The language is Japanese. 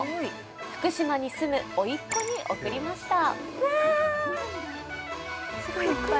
福島に住むおいっ子に送りました。